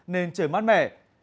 nên trời mát mẻ